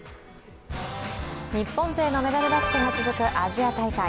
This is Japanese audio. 日本勢のメダルラッシュが続くアジア大会。